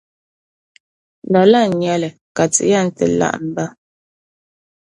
Lala n-nyɛ li, ka Ti yɛn ti laɣimba.